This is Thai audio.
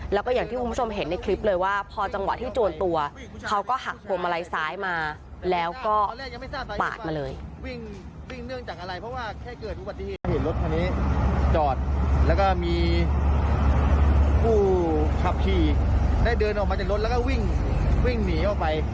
แล้วก็มีผู้ขับขี่ได้เดินออกมาจากรถแล้วก็วิ่งหนีออกไป